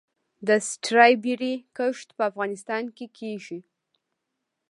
د سټرابیري کښت په افغانستان کې کیږي؟